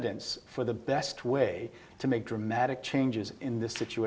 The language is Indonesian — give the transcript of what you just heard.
dan berita baiknya saya telah beritahu